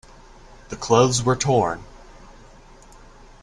The clothes were torn.